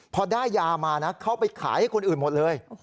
พอได้ยามานะเข้าไปขายให้คนอื่นหมดเลย